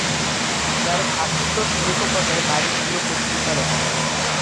Sir Ashutosh মুখোপাধ্যায়ের বাড়ি ছিল পত্রিকার অফিস।